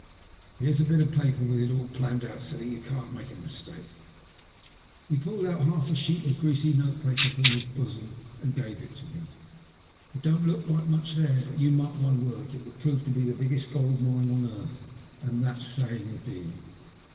Here's a bit of paper with it all planned out so that you can't make a mistake." He pulled out half a sheet of greasy note paper from his bosom and gave it to me. " It don't look much there; but you mark my words, it will prove to be the biggest gold mine on earth, and that's saying a deal